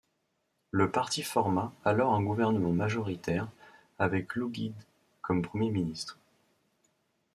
Le parti forma alors un gouvernement majoritaire, avec Lougheed comme Premier ministre.